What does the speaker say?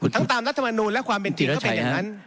ตามรัฐมนูลและความเป็นจริงก็เป็นอย่างนั้น